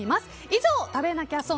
以上、食べなきゃ損！